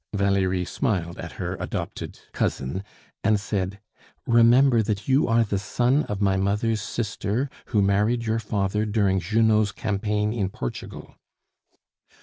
Valerie smiled at her adopted cousin, and said: "Remember that you are the son of my mother's sister, who married your father during Junot's campaign in Portugal."